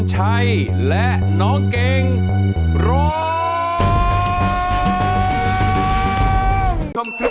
โอ้โฮมสะเปาขามหารรวย